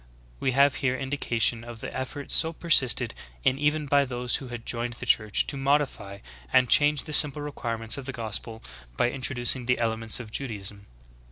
We have here indication of the effort so persisted in even by those who had joined the Church, to modify and change the simple requirements of the gospel by introducing the elements of Judaism.